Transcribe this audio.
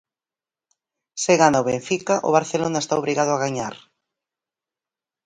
Se gana o Benfica o Barcelona está obrigado a gañar.